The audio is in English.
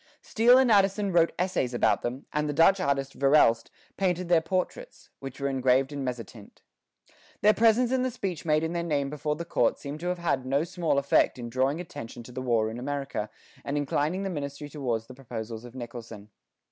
Steele and Addison wrote essays about them, and the Dutch artist Verelst painted their portraits, which were engraved in mezzotint. Their presence and the speech made in their name before the court seem to have had no small effect in drawing attention to the war in America and inclining the ministry towards the proposals of Nicholson.